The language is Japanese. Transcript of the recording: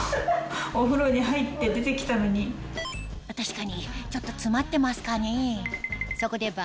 確かにちょっと詰まってますかね？